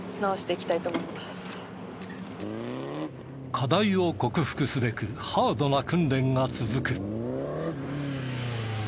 課題を克服すべくハードな訓練が続く。